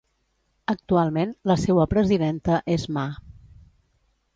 Actualment, la seua presidenta és Ma.